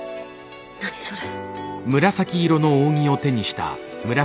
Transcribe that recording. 何それ？